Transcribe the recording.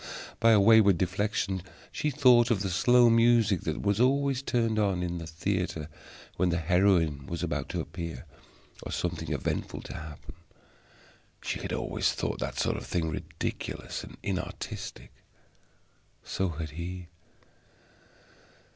By a wayward deflection she thought of the slow music that was always turned on in the theatre when the heroine was about to appear, or something eventful to happen. She had always thought that sort of thing ridiculous and inartistic. So had He.